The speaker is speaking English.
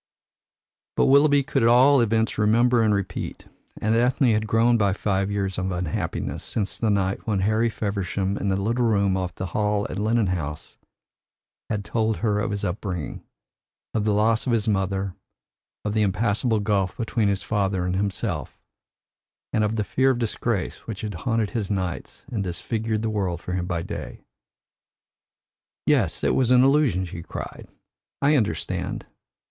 But Willoughby could at all events remember and repeat, and Ethne had grown by five years of unhappiness since the night when Harry Feversham, in the little room off the hall at Lennon House, had told her of his upbringing, of the loss of his mother, and the impassable gulf between his father and himself, and of the fear of disgrace which had haunted his nights and disfigured the world for him by day. "Yes, it was an illusion," she cried. "I understand.